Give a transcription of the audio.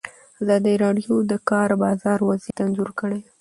ازادي راډیو د د کار بازار وضعیت انځور کړی.